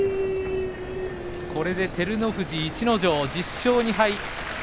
これで照ノ富士、逸ノ城１０勝２敗。